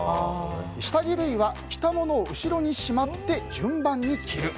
下着類は着たものを後ろにしまって順番に着る。